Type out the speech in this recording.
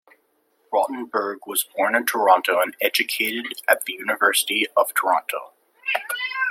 Rotenberg was born in Toronto, and educated at the University of Toronto.